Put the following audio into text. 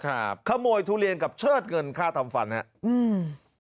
ครับขโมยทุเรียนกับเชิดเงินค่าทำฟันฮะอืม